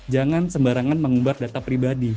jangan sembarangan mengumbar data pribadi